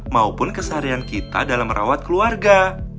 maupun keseharian kita dalam merawat keluarga